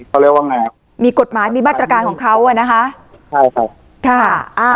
เขาเรียกว่าไงครับมีกฎหมายมีมาตรการของเขาอ่ะนะคะใช่ครับค่ะอ่า